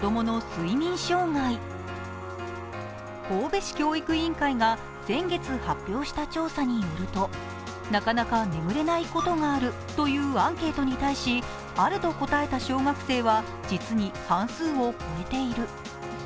神戸市教育委員会が先月発表した調査によると、なかなか眠れないことがあるというアンケートに対し「ある」と答えた小学生は実に半数を超えている。